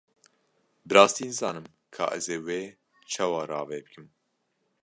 Bi rastî nizanim ka ez ê wê çawa rave bikim.